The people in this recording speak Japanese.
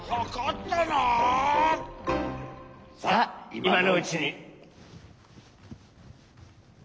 さあいまのうちに。